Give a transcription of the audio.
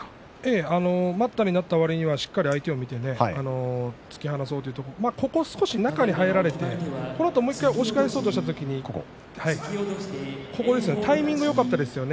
待ったになったわりには相手をしっかり見て突き放そうという中に入られてもう一度押し返そうとした時にタイミングよかったですよね